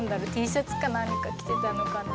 Ｔシャツか何か着ていたのかな。